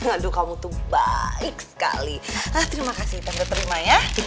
aduh kamu tuh baik sekali terima kasih tangga terima ya